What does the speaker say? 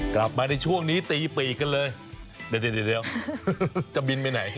กลับมาในช่วงนี้ตีปีกกันเลยเดี๋ยวจะบินไปไหน